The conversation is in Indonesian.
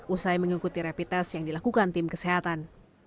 usai mengikuti rapid test yang dilakukan tim kesehatan